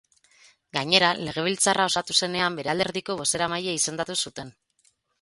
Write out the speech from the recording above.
Gainera, legebiltzarra osatu zenean, bere alderdiko bozeramaile izendatu zuten.